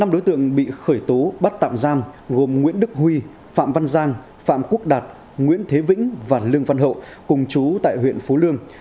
năm đối tượng bị khởi tố bắt tạm giam gồm nguyễn đức huy phạm văn giang phạm quốc đạt nguyễn thế vĩnh và lương văn hậu cùng chú tại huyện phú lương